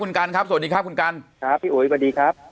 คุณกันครับสวัสดีครับคุณกันครับพี่อุ๋ยสวัสดีครับ